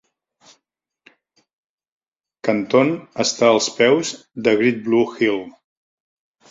Canton està als peus de Great Blue Hill.